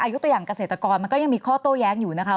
อายุตัวอย่างเกษตรกรมันก็ยังมีข้อโต้แย้งอยู่นะคะ